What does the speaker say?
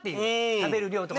食べる量とか。